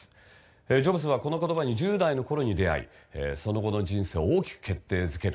ジョブズはこの言葉に１０代の頃に出会いその後の人生を大きく決定づける。